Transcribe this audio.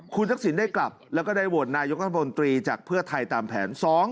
คุณทักษิณได้กลับแล้วก็ได้โหวตนายกรัฐมนตรีจากเพื่อไทยตามแผน